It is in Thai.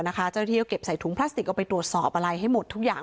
เจ้าหน้าที่ก็เก็บใส่ถุงพลาสติกเอาไปตรวจสอบอะไรให้หมดทุกอย่าง